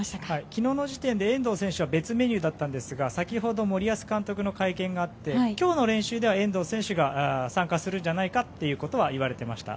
昨日は遠藤選手は別メニューだったんですが先ほど、森保監督の会見があって今日の練習では遠藤選手も参加するんじゃないかといわれていました。